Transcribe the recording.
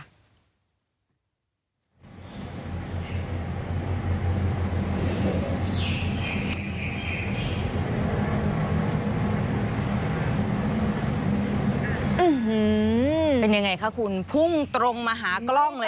อืมเป็นยังไงคะคุณพุ่งตรงมาหากล้องเลย